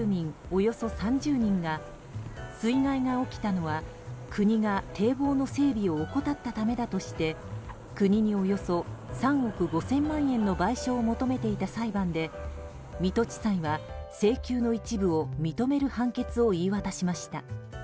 およそ３０人が水害が起きたのは国が堤防の整備を怠ったためだとして国におよそ３億５０００万円の賠償を求めていた裁判で水戸地裁は請求の一部を認める判決を言い渡しました。